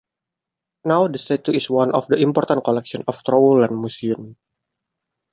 Now the statue is one of the important collection of Trowulan Museum.